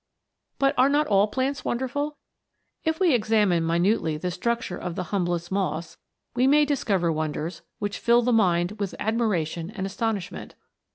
But are not all plants wonderful ? If we examine minutely the structure of the humblest moss, we may discover wonders which fill the mind with admiration and astonishment.